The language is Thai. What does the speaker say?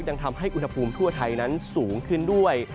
ยังทำให้อุณหภูมิทั่วไทยนั้นสูงขึ้นด้วย